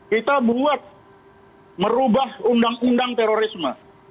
kita buat merubah undang undang terorisme